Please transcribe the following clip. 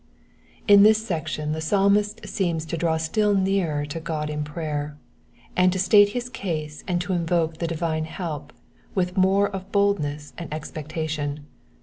Tn this section the Psalmist seems to draw still nearer to God in prayer, and to state his case and to invoke the divine help with more of boidu^ and expectation.